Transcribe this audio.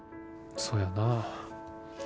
そやなぁ。